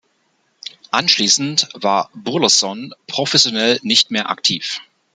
Anschließend war Burleson professionell nicht mehr aktiv.